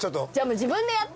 自分でやって。